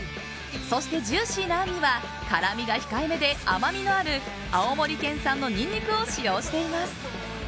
そして、ジューシーなあんには辛みが控えめで甘みのある青森県産のニンニクを使用しています。